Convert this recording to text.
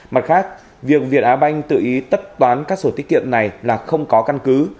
mặt khác việc việt á banh tự ý tất toán các sổ tiết kiệm này là không có căn cứ